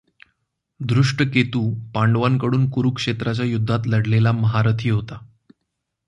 धृष्टकेतु पांडवांकडून कुरुक्षेत्राच्या युद्धात लढलेला महारथी होता.